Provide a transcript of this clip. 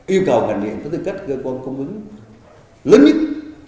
yêu cầu ngành điện có tư cách cơ quan cung ứng lớn nhất